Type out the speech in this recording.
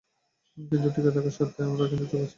কিন্তু, টিকে থাকার স্বার্থেই আমরা কিন্তু চুপ আছি!